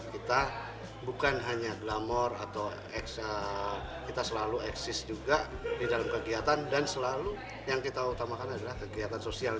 kita bukan hanya glamor atau kita selalu eksis juga di dalam kegiatan dan selalu yang kita utamakan adalah kegiatan sosial